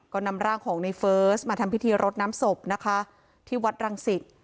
ก็นำร่างของในเฟิร์สมาทำพิธีรดน้ำศพนะคะที่วัดรังสิต